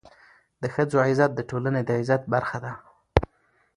د ښځو عزت د ټولني د عزت برخه ده.